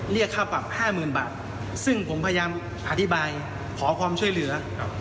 เรียกค่าปรับ๕๐๐๐บาทซึ่งผมพยายามอธิบายขอความช่วยเหลือ